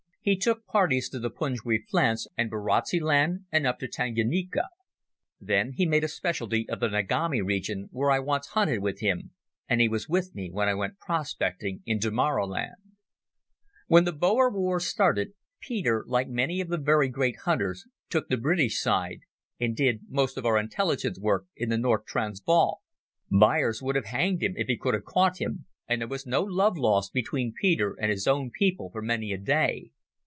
He took parties to the Pungwe flats, and Barotseland, and up to Tanganyika. Then he made a speciality of the Ngami region, where I once hunted with him, and he was with me when I went prospecting in Damaraland. When the Boer War started, Peter, like many of the very great hunters, took the British side and did most of our intelligence work in the North Transvaal. Beyers would have hanged him if he could have caught him, and there was no love lost between Peter and his own people for many a day.